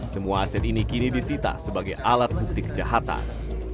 semua aset ini kini disita sebagai alat bukti kejahatan